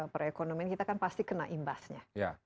perekonomian kita kan pasti kena imbasnya